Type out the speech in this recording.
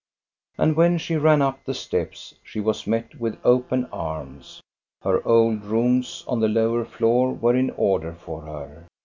And when she ran up the steps she was met with open arms. Her old rooms on the lower floor were in order for her.